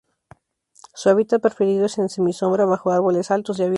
Su hábitat preferido es en semisombra bajo árboles altos y abiertos.